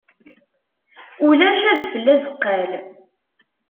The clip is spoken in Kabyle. Ulac adfel azeqqal.